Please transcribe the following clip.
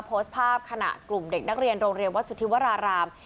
โพสต์ภาพขณะกลุ่มเด็กนักเรียนโรงเรียนวัดสุธิวราราม